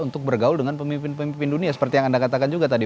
untuk bergaul dengan pemimpin pemimpin dunia seperti yang anda katakan juga tadi